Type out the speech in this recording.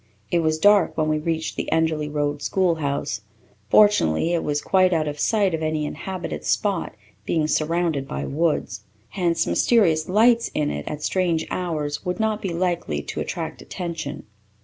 It was dark when we reached the Enderly Road schoolhouse. Fortunately, it was quite out of sight of any inhabited spot, being surrounded by woods. Hence, mysterious lights in it at strange hours would not be likely to attract attention.